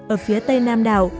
ở phía tây nam đảo